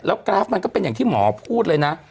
กราฟมันก็เป็นอย่างที่หมอพูดเลยนะ